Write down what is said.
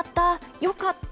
よかった！